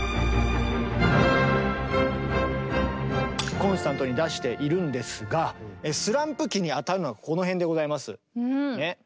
コンスタントに出しているんですがスランプ期にあたるのがこの辺でございます。